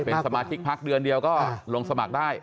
เป็นสมาชิกพักเดือนเดียวก็ลงสมัครได้